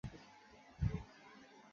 Oxygen ছাড়া কাজটা করা যাচ্ছে না!